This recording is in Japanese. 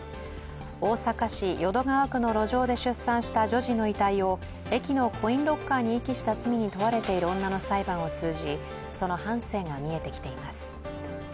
大阪市淀川区の路上で出産した女児の遺体を駅のコインロッカーに遺棄した罪に問われている女の裁判を通じその半生が見えてきています。